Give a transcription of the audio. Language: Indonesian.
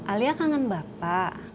alia kangen bapak